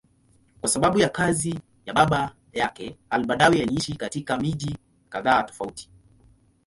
Kwa sababu ya kazi ya baba yake, al-Badawi aliishi katika miji kadhaa tofauti.